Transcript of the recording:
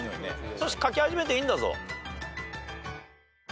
トシ書き始めていいんだぞ。